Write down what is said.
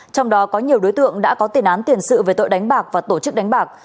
trong đó có nhiều đối tượng đã có tiền án tiền sự về tội đánh bạc và tổ chức đánh bạc